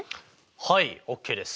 はいＯＫです！